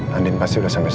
landin pasti sudah sampai